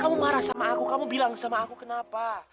kamu marah sama aku kamu bilang sama aku kenapa